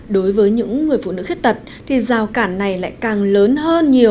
đối với những người phụ nữ khuyết tật thì rào cản này lại càng lớn hơn nhiều